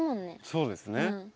そうですね。